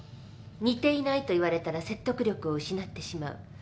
似ていないと言われたら説得力を失ってしまう。